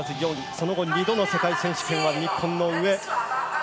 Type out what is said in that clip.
その後、２度の世界選手権は日本の上。